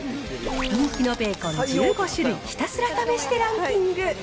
人気のベーコン１５種類ひたすら試してランキング。